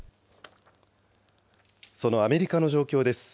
そのアメリカの状況です。